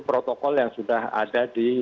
protokol yang sudah ada di